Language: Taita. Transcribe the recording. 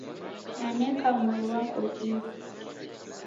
Naneka mwai wako kifu.